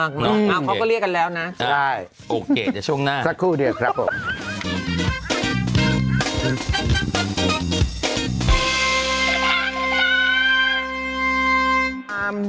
เอาเขาก็เรียกกันแล้วนะใช่โอเคเดี๋ยวช่วงหน้าสักครู่เดียวครับผม